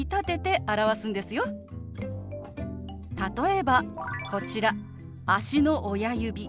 例えばこちら「足の親指」。